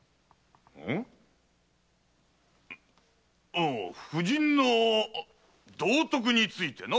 ああ婦人の道徳についてな。